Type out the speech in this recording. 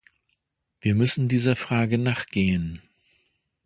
Wir müssen dieser Frage nachgehen.